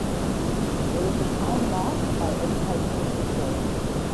It was a time marked by educational reform.